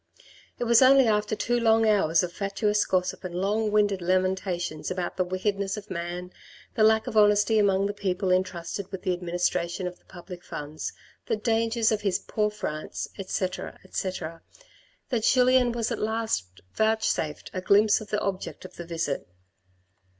It was only after two long hours of fatuous gossip and long winded lamentations about the wickedness of man, the lack of honesty among the people entrusted with the administration of the public funds, the dangers of his poor France, etc. etc., that Julien was at last vouchsafed a glimpse of the object of the visit.